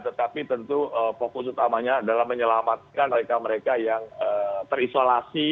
tetapi tentu fokus utamanya adalah menyelamatkan mereka mereka yang terisolasi